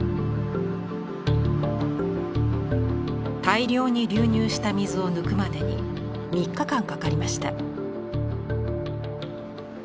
大量に流入した水を抜くまでに３日間かかりました。